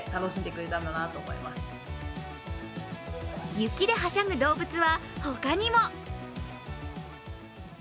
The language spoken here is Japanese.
雪ではしゃぐ動物は他にも。